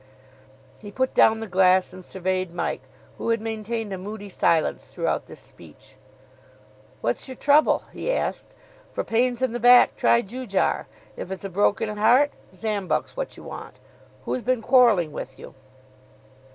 A ah!" He put down the glass, and surveyed Mike, who had maintained a moody silence throughout this speech. "What's your trouble?" he asked. "For pains in the back try Ju jar. If it's a broken heart, Zam buk's what you want. Who's been quarrelling with you?"